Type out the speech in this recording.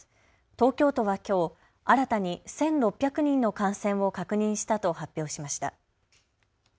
東京都はきょう新たに１６００人の感染を確認したと発表しました。